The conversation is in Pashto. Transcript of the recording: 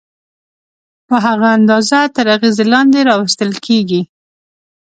په هغه اندازه تر اغېزې لاندې راوستل کېږي.